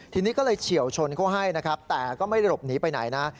ทีนี้ก็เลยเฉียวชนเขาให้นะครับแต่ก็ไม่ได้หลบหนีไปไหนนะ